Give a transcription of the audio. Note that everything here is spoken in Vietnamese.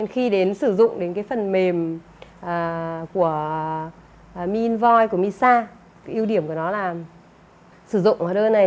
khi đến sử dụng đến cái phần mềm của mi invoi của misa ưu điểm của nó là sử dụng hóa đơn này